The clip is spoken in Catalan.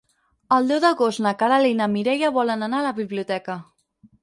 El deu d'agost na Queralt i na Mireia volen anar a la biblioteca.